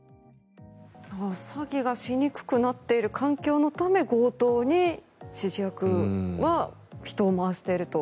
詐欺がしにくくなっている環境のため強盗に指示役は人を回していると。